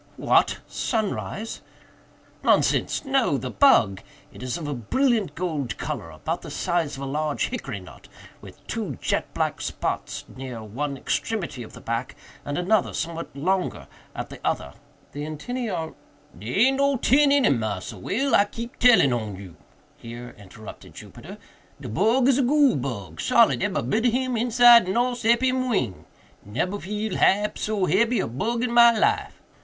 "What?—sunrise?" "Nonsense! no!—the bug. It is of a brilliant gold color—about the size of a large hickory nut—with two jet black spots near one extremity of the back, and another, somewhat longer, at the other. The antennæ are—" "Dey aint no tin in him, Massa Will, I keep a tellin on you," here interrupted Jupiter; "de bug is a goole bug, solid, ebery bit of him, inside and all, sep him wing—neber feel half so hebby a bug in my life."